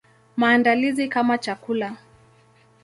Maandalizi kama chakula.